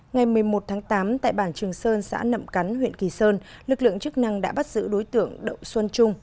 ngày một mươi một tháng tám tại bản trường sơn xã nậm cắn huyện kỳ sơn lực lượng chức năng đã bắt giữ đối tượng đậu xuân trung